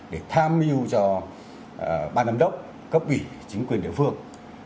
để tham mưu cho ban giám đốc cấp ủy chính quyền địa phương